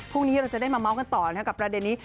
พรุ่งนี้เราจะได้มาเม้ากันต่อนะครับกับประเด็นนี้